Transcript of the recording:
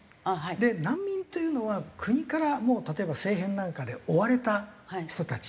で難民というのは国からもう例えば政変なんかで追われた人たち。